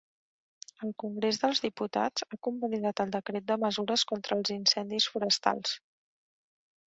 El Congrés dels Diputats ha convalidat el decret de mesures contra els incendis forestals.